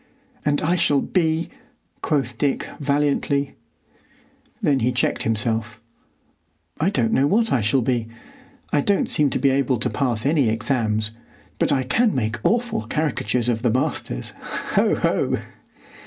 "And I shall be——" quoth Dick, valiantly. Then he checked himself: "I don't know what I shall be. I don't seem to be able to pass any exams, but I can make awful caricatures of the masters. Ho! Ho!"